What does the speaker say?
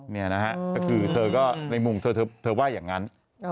นี่นะฮะก็คือเธอก็ในมุมเธอเธอว่าอย่างนั้น